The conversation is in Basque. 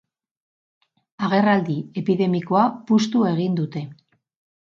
Agerraldi epidemikoa puztu egin dute.